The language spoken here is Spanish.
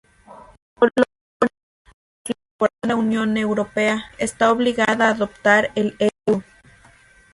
Polonia, tras su incorporación a la Unión Europea, está obligada a adoptar el euro.